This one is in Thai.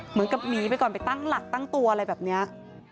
เหมือนกับหนีไปก่อนไปตั้งหลักตั้งตัวอะไรแบบนี้